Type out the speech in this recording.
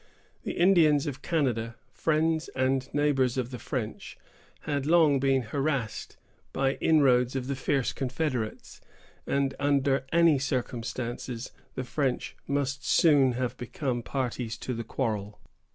The Indians of Canada, friends and neighbors of the French, had long been harassed by inroads of the fierce confederates, and under any circumstances the French must soon have become parties to the quarrel.